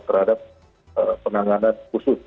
terhadap penanganan khusus